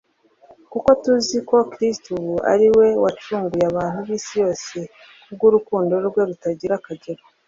kuko tuzi ko Kristo ubu ariwe wacunguye abantu bisi yose kubw’urukundo rwe rutagira akagero